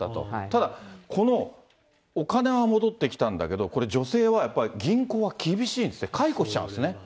ただ、このお金は戻ってきたんだけど、これ、女性はやっぱり銀行は厳しいんですね、解雇しちゃうんですね。